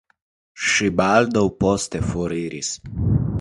Ŝi baldaŭ poste foriris.